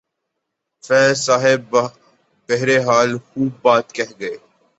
فیض صاحب بہرحال خوب بات کہہ گئے۔